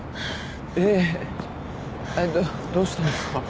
えっどどうしたんですか？